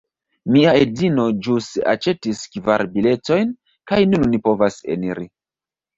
Mia edzino ĵus aĉetis kvar biletojn kaj nun ni povas eniri